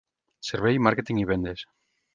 Servei, màrqueting i vendes.